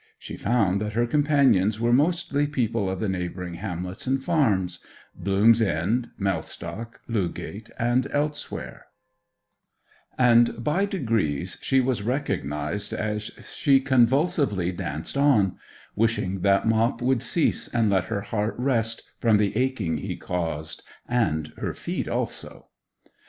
She found that her companions were mostly people of the neighbouring hamlets and farms—Bloom's End, Mellstock, Lewgate, and elsewhere; and by degrees she was recognized as she convulsively danced on, wishing that Mop would cease and let her heart rest from the aching he caused, and her feet also.